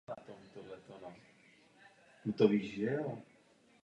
Pojďme proto tuto příležitost využít.